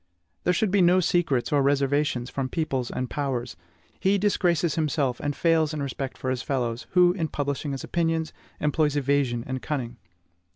There should be no secrets or reservations from peoples and powers. He disgraces himself and fails in respect for his fellows, who, in publishing his opinions, employs evasion and cunning.